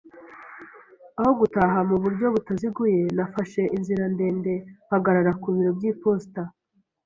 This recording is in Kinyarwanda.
Aho gutaha mu buryo butaziguye, nafashe inzira ndende mpagarara ku biro by'iposita